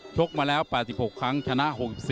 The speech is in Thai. กมาแล้ว๘๖ครั้งชนะ๖๐